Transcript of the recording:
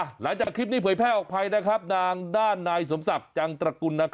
หลังจากคลิปนี้เผยแพร่ออกไปนะครับทางด้านนายสมศักดิ์จังตระกุล